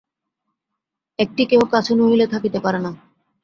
একটি কেহ কাছে নহিলে থাকিতে পারে না।